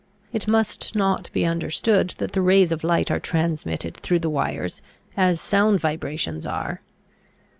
It must not be understood that the rays of light are transmitted through the wires as sound vibrations are.